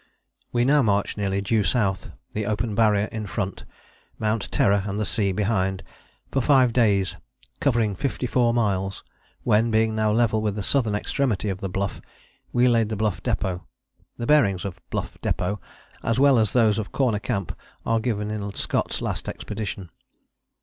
We now marched nearly due south, the open Barrier in front, Mount Terror and the sea behind, for five days, covering fifty four miles, when, being now level with the southern extremity of the Bluff, we laid the Bluff Depôt. The bearings of Bluff Depôt, as well as those of Corner Camp, are given in Scott's Last Expedition.